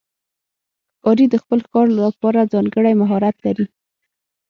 ښکاري د خپل ښکار لپاره ځانګړی مهارت لري.